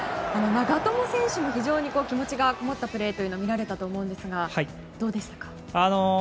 長友選手も非常に気持ちがこもったプレーが見られたと思うんですがどうでしたか？